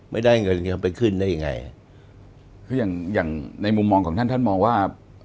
ไม่ได้เงินเขาไปขึ้นได้ยังไงคืออย่างอย่างในมุมมองของท่านท่านมองว่า